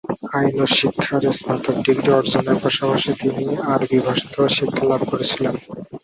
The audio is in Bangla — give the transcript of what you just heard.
আইন ও শিক্ষার স্নাতক ডিগ্রি অর্জনের পাশাপাশি তিনি আরবি ভাষাতেও শিক্ষা লাভ করেছিলেন।